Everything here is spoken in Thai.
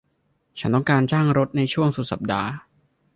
ฉันต้องการจ้างรถในช่วงสุดสัปดาห์